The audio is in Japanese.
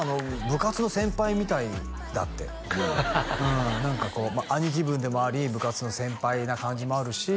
「部活の先輩みたいだ」ってうん何かこう兄貴分でもあり部活の先輩な感じもあるし